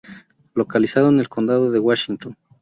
Localizado en el condado de Washington.